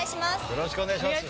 よろしくお願いします。